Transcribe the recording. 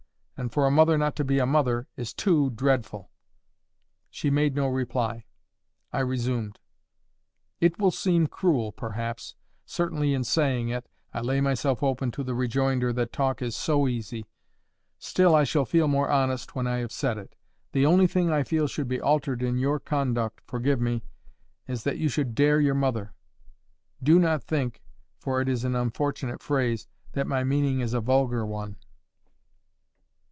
And for a mother not to be a mother is too dreadful." She made no reply. I resumed. "It will seem cruel, perhaps;—certainly in saying it, I lay myself open to the rejoinder that talk is SO easy;—still I shall feel more honest when I have said it: the only thing I feel should be altered in your conduct—forgive me—is that you should DARE your mother. Do not think, for it is an unfortunate phrase, that my meaning is a vulgar one.